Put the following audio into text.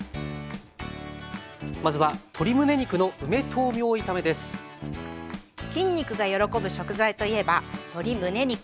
まずは筋肉がよろこぶ食材といえば鶏むね肉。